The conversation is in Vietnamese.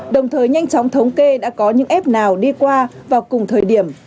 đồng thời nhanh chóng thống kê đã có những f nào đi qua vào cùng thời điểm